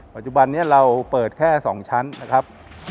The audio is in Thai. ปัจจุบันนี้เราเปิดแค่๒ชั้นนะครับ